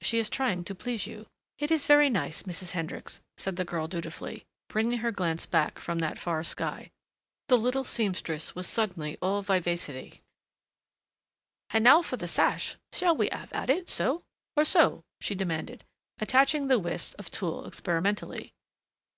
She is trying to please you." "It is very nice, Mrs. Hendricks," said the girl dutifully, bringing her glance back from that far sky. The little seamstress was instantly all vivacity. "H'and now for the sash shall we 'ave it so or so?" she demanded, attaching the wisp of tulle experimentally.